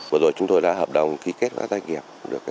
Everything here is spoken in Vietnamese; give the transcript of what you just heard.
vừa rồi chúng tôi đã hợp đồng ký kết các doanh nghiệp